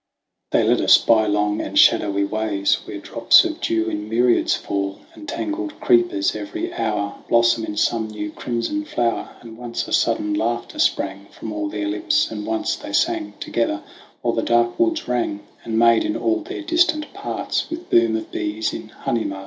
They led us by long and shadowy ways Where drops of dew in myriads fall, And tangled creepers every hour Blossom in some new crimson flower, And once a sudden laughter sprang From all their lips, and once they sang Together, while the dark woods rang, And made in all their distant parts, With boom of bees in honey marts, VOL.